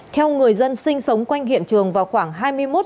theo người dân sinh sống quanh hiện trường vào khoảng hai mươi một h ba mươi